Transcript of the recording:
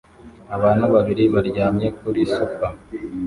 Abantu babiri baryamye kuri sofa